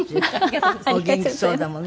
お元気そうだもの。